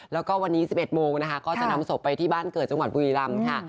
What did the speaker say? แล้วก็วันนี้๑๑โมงนะคะก็จะนำศพไปที่บ้านเกิดจังหวัดบุรีรำค่ะ